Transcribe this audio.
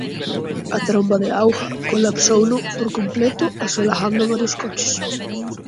A tromba de auga colapsouno por completo asolagando varios coches.